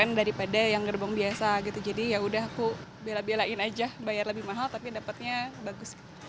daripada yang gerbong biasa gitu jadi yaudah aku bela belain aja bayar lebih mahal tapi dapatnya bagus